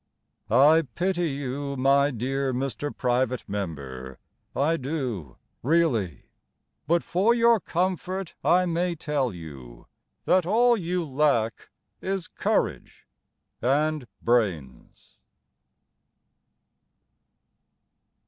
I pity you, my dear Mr. Private Member, I do really. But for your comfort I may tell you That all you lack Is courage And brains.